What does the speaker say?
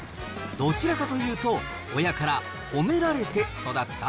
どちらかというと、親から褒められて育った？